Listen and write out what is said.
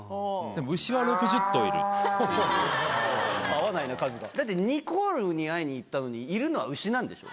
合わないな数がだってニコールに会いに行ったのにいるのは牛なんでしょ？